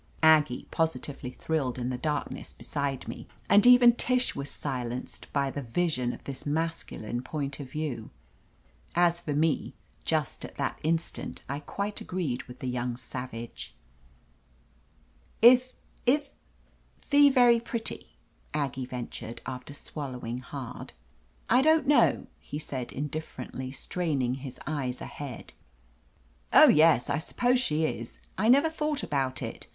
Aggie positively thrilled in the darkness be side me, and even Tish was silenced by the vision of this masculine point of view. As for me, just at that instant I quite agreed with the young savage I *Tth — ^ith the very pretty ?" Aggie ventured, after swallowing hard. "I don't know," he said indifferently, strain ing his eyes ahead. *'0h — ^yes, I suppose she is. I never thought about it.